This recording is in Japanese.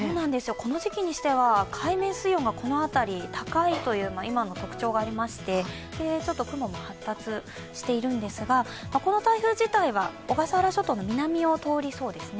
この時期にしては海面水温がこの辺り、高いという今の特徴がありまして、雲も発達しているんですが、この台風自体は小笠原諸島の南を通りそうですね。